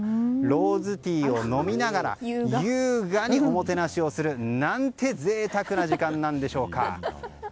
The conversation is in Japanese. ローズティーを飲みながら優雅におもてなしをする何て贅沢な時間なんでしょうか！